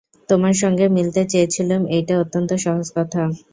তোমার সঙ্গে মিলতে চেয়েছিলুম এইটে অত্যন্ত সহজ কথা।